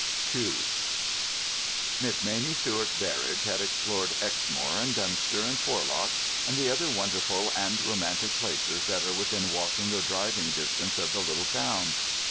II Miss Mamie Stuart Berridge had explored Exmoor and Dunster and Porlock, and the other wonderful and romantic places that are within walking or driving distance of the little town.